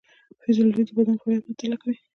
فیزیولوژي د بدن فعالیت مطالعه کوي